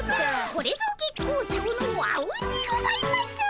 これぞ月光町のあうんにございます！